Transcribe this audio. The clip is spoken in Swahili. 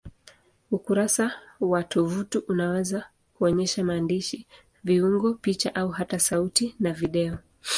Ukurasa wa tovuti unaweza kuonyesha maandishi, viungo, picha au hata sauti na video.